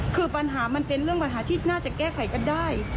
คือปัญหามันเป็นเรื่องปัญหาที่น่าจะแก้ไขกันได้